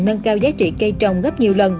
nâng cao giá trị cây trồng gấp nhiều lần